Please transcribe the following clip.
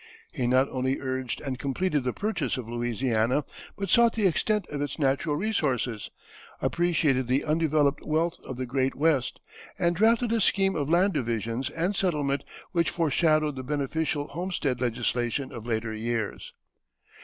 He not only urged and completed the purchase of Louisiana, but sought the extent of its natural resources, appreciated the undeveloped wealth of the great West, and drafted a scheme of land divisions and settlement which foreshadowed the beneficial homestead legislation of later years.